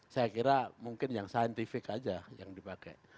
saya kira mungkin yang saintifik aja yang dipakai